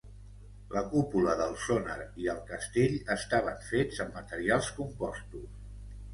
La cúpula del sònar i el castell estaven fets amb materials compostos.